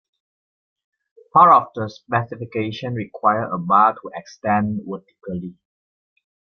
Part of the specification required a bar to "extend vertically".